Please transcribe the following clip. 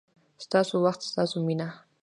ستاسو وخت، ستاسو مینه